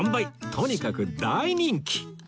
とにかく大人気